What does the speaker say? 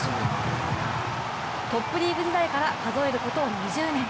トップリーグ時代から数えること２０年。